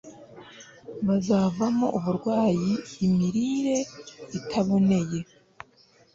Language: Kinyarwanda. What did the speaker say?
kazavamo uburwayi Imirire itaboneye